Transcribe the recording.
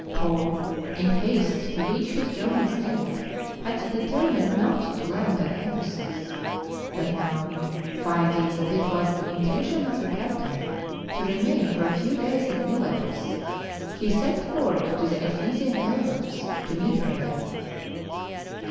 Paul, in haste to reach his journey's end, had determined not to land at Ephesus; but now, finding that it was the intention of the captain to remain for a few days at Miletus, he sent word to the Ephesian Elders to meet him there.